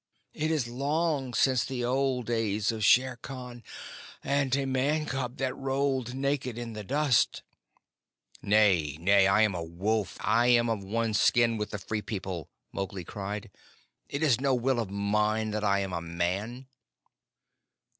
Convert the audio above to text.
"It is long since the old days of Shere Khan, and a Man cub that rolled naked in the dust." "Nay, nay, I am a wolf. I am of one skin with the Free People," Mowgli cried. "It is no will of mine that I am a man."